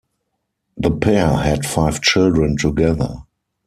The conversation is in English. The pair had five children together.